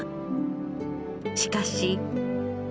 しかし。